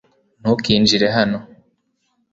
ntukinjire hano